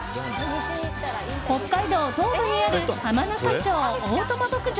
北海道東部にある浜中町大友牧場